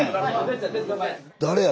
誰や？